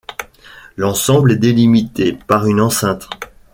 L'ensemble est délimité par une enceinte.